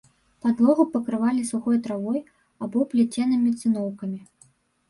Падлогу пакрывалі сухой травой або плеценымі цыноўкамі.